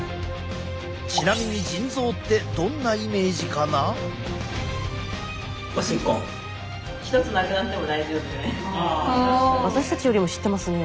ちなみに私たちよりも知ってますね。